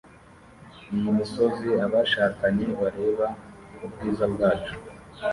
Iyi misozi abashakanye bareba ubwiza bwacu